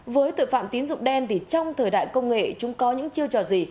với tội phạm tín dụng đen thì trong thời đại công nghệ chúng có những chiêu trò gì